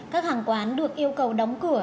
các hàng quán được yêu cầu đóng cửa